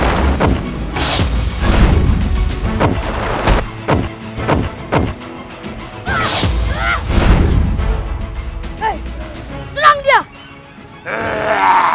hai hai hai hai hai hai hai hai eh serang dia eh